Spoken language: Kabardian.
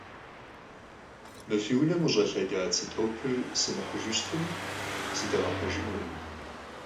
Mı fi vunem khış'elheda tsı topır sımıhıjju şıtme, sıdağehejjınukhım.